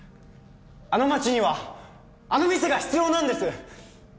あの街にはあの店が必要なんです！